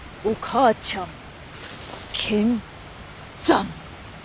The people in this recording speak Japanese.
お母ちゃん。